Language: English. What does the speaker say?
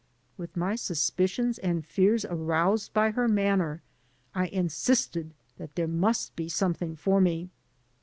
With my suspicions and fears aroused by her manner, I insisted that there must be something for me.